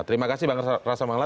terima kasih bang rasamangla